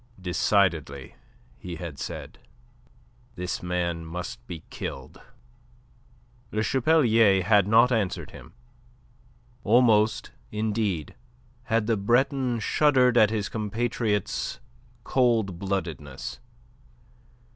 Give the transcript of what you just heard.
"Decidedly," he had said, "this man must be killed." Le Chapelier had not answered him. Almost, indeed, had the Breton shuddered at his compatriot's cold bloodedness.